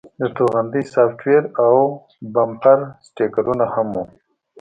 د توغندي سافټویر او د بمپر سټیکرونه هم وو